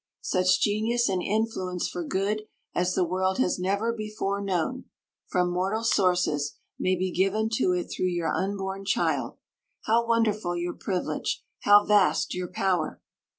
Such genius and influence for good as the world has never before known, from mortal sources, may be given to it through your unborn child. How wonderful your privilege, how vast your power!